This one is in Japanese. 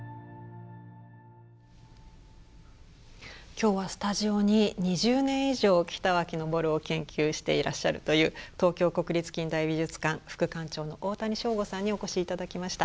今日はスタジオに２０年以上北脇昇を研究していらっしゃるという東京国立近代美術館副館長の大谷省吾さんにお越し頂きました。